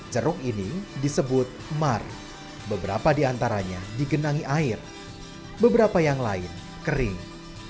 ceruk ini disebut mar beberapa diantaranya digenangi air beberapa yang lain kering